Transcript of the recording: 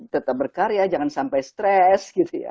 tetap bekerja jangan sampai stress gitu ya